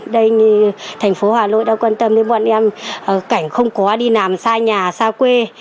đây như thành phố hà nội đã quan tâm đến bọn em cảnh không có đi làm xa nhà xa quê